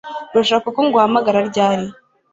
Urashaka ko nguhamagara ryari